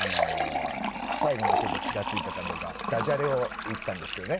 最後ちょっと気が付いたかどうかダジャレを言ったんですけどね。